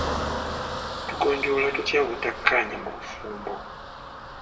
Tugonjoola tutya obutakkaanya mu bufumbo?